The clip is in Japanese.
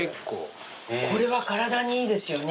これは体にいいですよね。